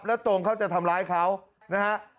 แล้วโตงเขาจะทำร้ายเขานะครับ